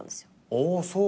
ああそう！